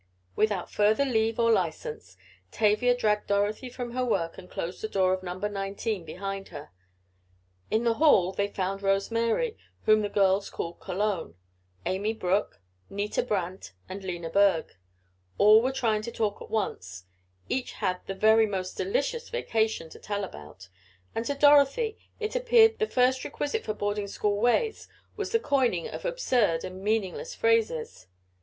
Without further leave or license Tavia dragged Dorothy from her work and closed the door of Number Nineteen behind her. In the hall they found Rose Mary, whom the girls called "Cologne," Amy Brook, Nita Brant, and Lena Berg. All were trying to talk at once, each had "the very most delicious vacation" to tell about, and to Dorothy it appeared the first requisite for boarding school ways was the coining of absurd and meaningless phrases.